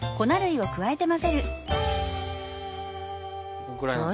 こんくらいかな。